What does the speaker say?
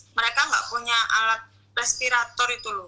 mereka nggak punya alat respirator itu loh